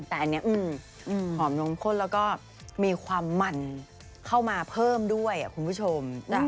แต่อันนี้หอมนมข้นแล้วก็มีความมันเข้ามาเพิ่มด้วยคุณผู้ชม